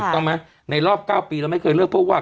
ต้องไหมในรอบ๙ปีเราไม่เคยเลือกพวกว่า